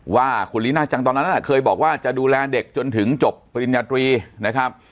ว่าคุณลีน่าจังตอนนั้นเคยบอกว่าจะดูแลเด็กจนถึงจบปริญญาตรีนะครับ